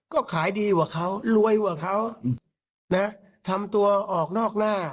ก็ขายดีกว่าเขารวยกว่าเขานะทำตัวออกนอกหน้า